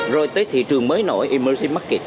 rồi tới thị trường mới nổi emerging market